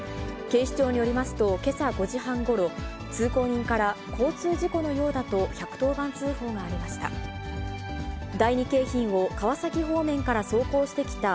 警視庁によりますと、けさ５時半ごろ、通行人から、交通事故のようだと１１０番通報がありました。